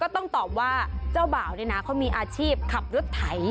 ต้องตอบว่าเจ้าบ่าวเนี่ยนะเขามีอาชีพขับรถไถ